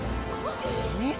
何！？